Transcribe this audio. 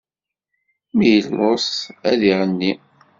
Mi yelluẓ ad iɣenni.